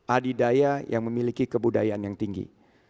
adidaya yang memiliki kebudayaan yang tinggi